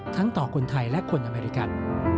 ต่อคนไทยและคนอเมริกัน